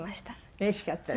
うれしかった？